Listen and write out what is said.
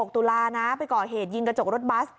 ตุลานะไปก่อเหตุยิงกระจกรถบัส